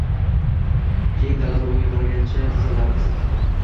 Keyin dala tomonga qaragancha tizzalarini silkitdi